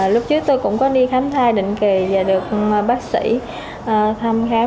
lúc trước tôi cũng có đi khám thai định kỳ và được bác sĩ thăm khám